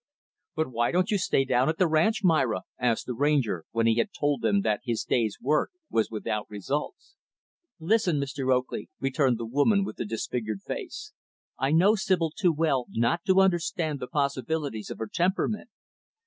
"But why don't you stay down at the ranch, Myra?" asked the Ranger, when he had told them that his day's work was without results. "Listen, Mr. Oakley," returned the woman with the disfigured face. "I know Sibyl too well not to understand the possibilities of her temperament.